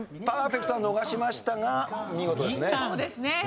パーフェクトは逃しましたが見事ですね。